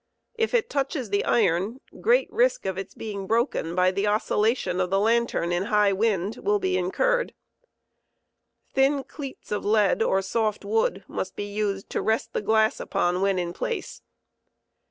If it touches the iron, great risk of its being broken by the oscillation of the lantern in high winds will be incurred. Thin cleats of lead or soft wood must be nsed to rest the gl^ss upon when in place.